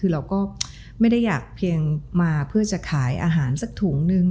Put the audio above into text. คือเราก็ไม่ได้อยากเพียงมาเพื่อจะขายอาหารสักถุงนึง